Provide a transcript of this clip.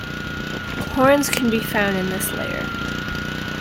Porins can be found in this layer.